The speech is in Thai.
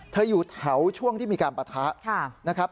อยู่แถวช่วงที่มีการปะทะนะครับ